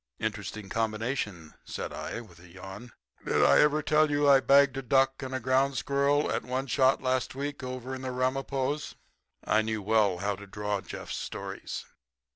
"Interesting combination," said I, with a yawn. "Did I tell you I bagged a duck and a ground squirrel at one shot last week over in the Ramapos?" I knew well how to draw Jeff's stories.